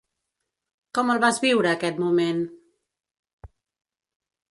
Com el vas viure, aquest moment?